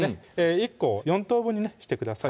１個を４等分にねしてください